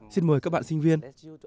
xin mời các bạn sinh viên